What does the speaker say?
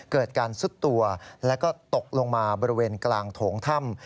เกิดการซุดตัวแล้วก็ตกลงมาบริเวณกลางโถงถ้ำ